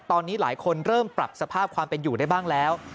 ตอนนี้หลายคนเริ่มปรับสภาพความเป็นอยู่ได้บ้างแล้ว